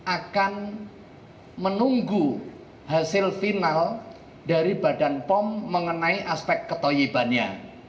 akan menunggu hasil final dari badan pom mengenai aspek ketoyibannya